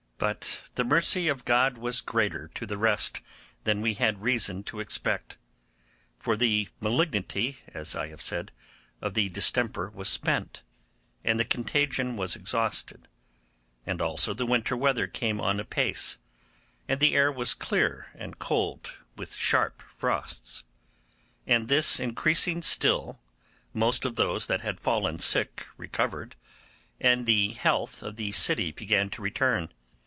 But the mercy of God was greater to the rest than we had reason to expect; for the malignity (as I have said) of the distemper was spent, the contagion was exhausted, and also the winter weather came on apace, and the air was clear and cold, with sharp frosts; and this increasing still, most of those that had fallen sick recovered, and the health of the city began to return.